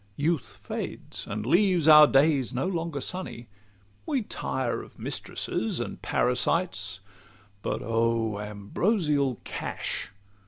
Youth fades, and leaves our days no longer sunny; We tire of mistresses and parasites; But oh, ambrosial cash!